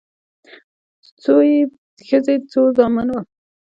څو يې ښځې څو زامن وه